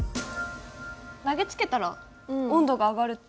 投げつけたら温度が上がるって。